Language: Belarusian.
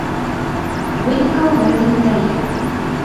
Вынікаў гэта не дае.